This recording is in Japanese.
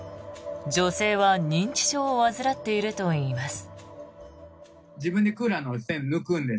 女性は認知症を患っているといいます。